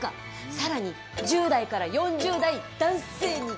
更に１０代から４０代男性に高評価！